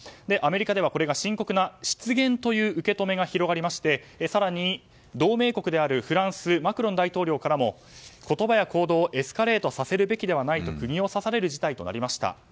アメリカではこれが深刻な失言という受け止めが広がりまして更に、同盟国であるフランスのマクロン大統領からも言葉や行動をエスカレートさせるべきではないと釘を刺される事態となりました。